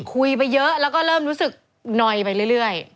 คุยไปเยอะแล้วก็เริ่มรู้สึกนอยไปเรื่อย